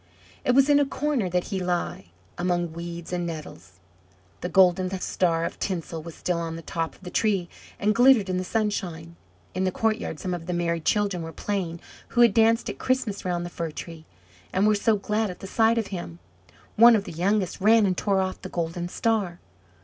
It was in a corner that he lay, among weeds and nettles. The golden star of tinsel was still on the top of the Tree, and glittered in the sunshine. In the courtyard some of the merry children were playing who had danced at Christmas round the Fir tree, and were so glad at the sight of him. One of the youngest ran and tore off the golden star.